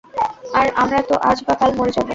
আর আমরাতো আজ বা কাল মরে যাব।